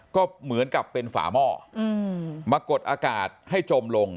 ก็เหมือนกับเป็นฝาหม้อมากดอากาศให้จมลง